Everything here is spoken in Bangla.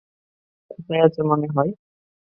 কোথায় আছে মনে হয়!